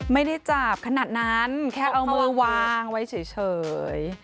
ไม่ได้จับขนาดนั้นแค่เอามือวางไว้เฉย